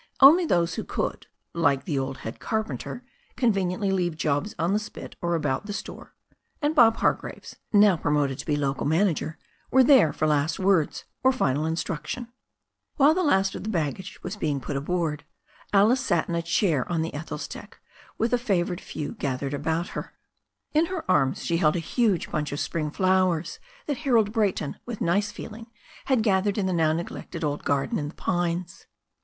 Only those who could, like the old head carpenter, conveniently leave jobs on the spit or about the store, and Bob Hargraves, now promoted to be local manager, were there for last words or final in structions. While the last of their baggage was being put aboard, Alice sat in a chair on the Ethel's deck with a favoured few gathered about her. In her arms she held a huge bunch of spring flowers that Harold Brayton, with nice feeling, had gathered in the now neglected old garden in the pines.